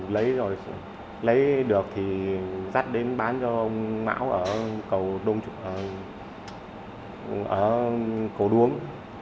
lấy được thì dắt đến bán cho ông mão ở cầu đuống